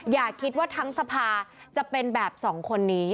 อย่าคิดว่าทั้งสภาจะเป็นแบบสองคนนี้